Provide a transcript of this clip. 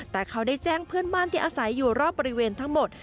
แต่เขาได้แจ้งเพื่อนบ้านที่อาศัยอยู่รอบบริเวณทั้งหมด